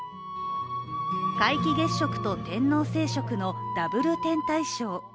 皆既月食と天王星食のダブル天体ショー。